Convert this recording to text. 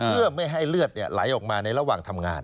เพื่อไม่ให้เลือดไหลออกมาในระหว่างทำงาน